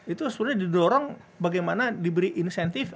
itu sebenarnya didorong bagaimana diberi insentif